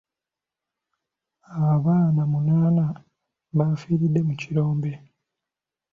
Abaana munaana bafiiridde mu kirombe.